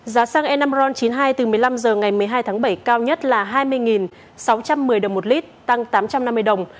giá xăng e năm ron chín mươi hai từ một mươi năm h ngày một mươi hai tháng bảy cao nhất là hai mươi sáu trăm một mươi đồng một lít tăng tám trăm năm mươi đồng